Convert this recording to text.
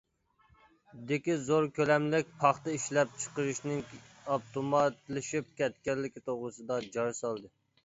دىكى زور كۆلەملىك پاختا ئىشلەپچىقىرىشنىڭ ئاپتوماتلىشىپ كەتكەنلىكى توغرىسىدا جار سالدى.